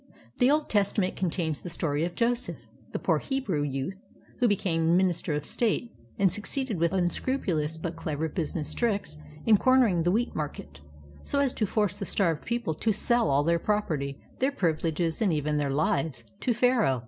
The Old Testament contains the stor\' of Joseph, the poor Hebrew youth who became minister of state, and succeeded with unscrupulous but clever business tricks in cornering the wheat market, so as to force the starved people to seU all their property, their pri\ ileges, and even their lives, to Pharaoh.